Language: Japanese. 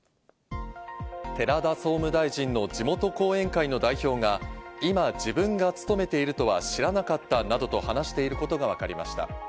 寺田総務大臣の地元後援会の代表が、今、自分がつとめているとは知らなかったなどと話していることがわかりました。